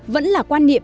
vẫn là quan niệm